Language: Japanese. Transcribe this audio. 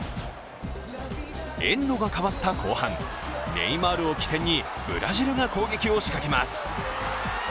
エンドが変わった後半、ネイマールを起点にブラジルが攻撃を仕掛けます。